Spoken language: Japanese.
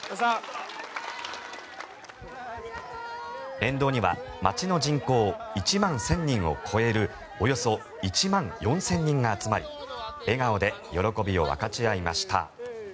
沿道には町の人口１万１０００人を超えるおよそ１万４０００人が集まり笑顔で喜びを分かち合いました。